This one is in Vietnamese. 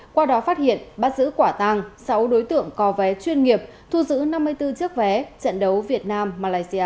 qua đó phát hiện bắt giữ quả tăng sáu đối tượng có vé chuyên nghiệp thu giữ năm mươi bốn chiếc vé trận đấu việt nam malaysia